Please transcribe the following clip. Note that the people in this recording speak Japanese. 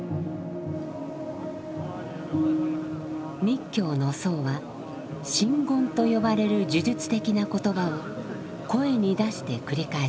密教の僧は真言と呼ばれる呪術的な言葉を声に出して繰り返します。